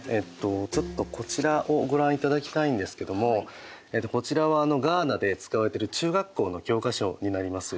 ちょっとこちらをご覧いただきたいんですけどもこちらはガーナで使われてる中学校の教科書になります。